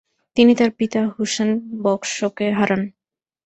তিনি তাঁর পিতা হুসেন বকশকে হারান।